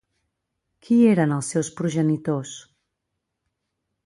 Qui eren els seus progenitors?